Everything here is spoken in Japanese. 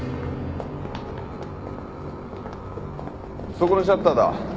そこのシャッターだ。